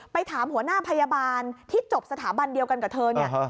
ถามหัวหน้าพยาบาลที่จบสถาบันเดียวกันกับเธอเนี่ย